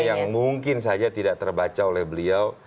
yang mungkin saja tidak terbaca oleh beliau